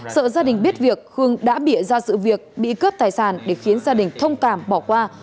sợ gia đình biết việc khương đã bịa ra sự việc bị cướp tài sản để khiến gia đình thông cảm bỏ qua